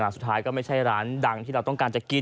สุดท้ายก็ไม่ใช่ร้านดังที่เราต้องการจะกิน